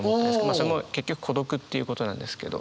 まあそれも結局孤独っていうことなんですけど。